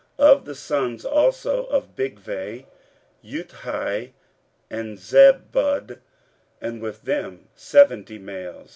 15:008:014 Of the sons also of Bigvai; Uthai, and Zabbud, and with them seventy males.